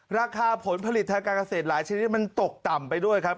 ราคาผลผลิตทางการเกษตรหลายชนิดมันตกต่ำไปด้วยครับ